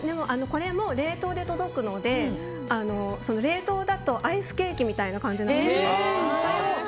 これも冷凍で届くので冷凍だとアイスケーキみたいな感じになるんです。